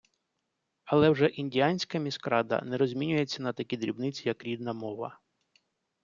Але вже індіанська міськрада не розмінюється на такі дрібниці, як рідна мова.